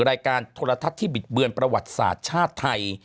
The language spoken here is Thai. รายการโทรทัศน์ที่บิดเบือนประวัติศาสตร์ชาติไทย